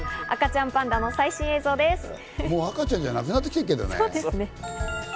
赤ちゃんパンダの最新映像です。